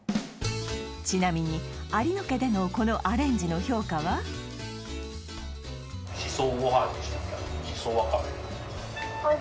ちなみに有野家でのこのアレンジの評価はしそワカメ